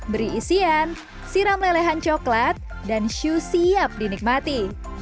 beri isian siram lelehan coklat dan syu siap dinikmati